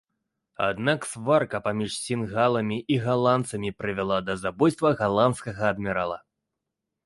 Аднак сварка паміж сінгаламі і галандцамі прывяла да забойства галандскага адмірала.